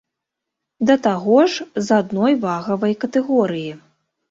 Да таго ж з адной вагавай катэгорыі.